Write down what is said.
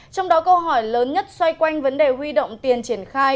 trong đó câu hỏi lớn nhất xoay quanh vấn đề huy động tiền triển khai